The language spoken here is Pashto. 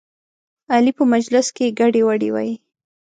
علي په مجلس کې ګډې وډې وایي.